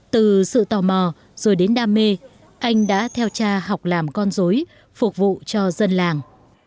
từ sự tò mò rồi đến đam mê anh đã theo cha học làm con dối phục vụ cho dân làng